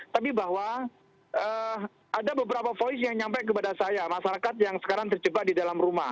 tapi bahwa ada beberapa voice yang nyampe kepada saya masyarakat yang sekarang terjebak di dalam rumah